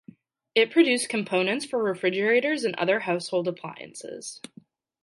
It produced components for refrigerators and other household appliances.